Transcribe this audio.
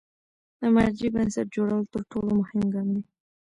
د مرجع بنسټ جوړول تر ټولو مهم ګام دی.